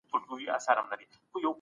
کله به حکومت پلاوی په رسمي ډول وڅیړي؟